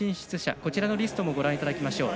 こちらのリストもご覧いただきましょう。